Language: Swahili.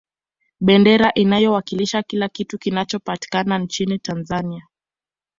bendera inawakilisha kila kitu kinachopatikana nchini tanzania